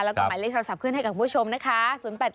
แล้วก็หมายเลขโทรศัพท์ขึ้นให้กับคุณผู้ชมนะคะ